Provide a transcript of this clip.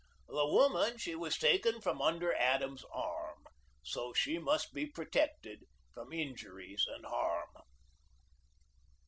The woman she was taken From under Adam's arm. So she must be protected From injuries and harm."